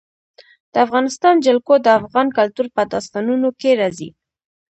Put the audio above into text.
د افغانستان جلکو د افغان کلتور په داستانونو کې راځي.